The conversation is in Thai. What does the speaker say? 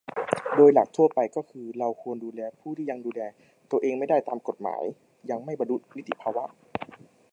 โดยหลักทั่วไปก็คือ เราควรดูแลผู้ที่ยังดูแลตัวเองไม่ได้ตามกฎหมาย ยังไม่บรรลุนิติภาวะ